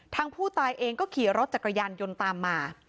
ทางผู้ตายเองก็ขี่รถจักรยานยนต์ตามมา